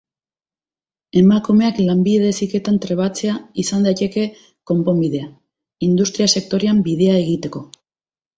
Emakumeak lanbide heziketan trebatzea izan daiteke konponbidea, industria sektorean bidea egiteko.